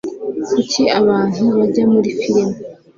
Kuki abantu bajya muri firime